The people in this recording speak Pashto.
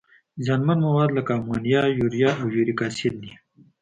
زیانمن مواد لکه امونیا، یوریا او یوریک اسید دي.